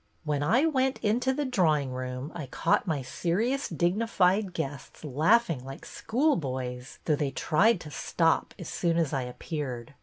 " When I went into the drawing room I caught my serious, dignified guests laugh ing like schoolboys, though they tried to stop as soon as I appeared.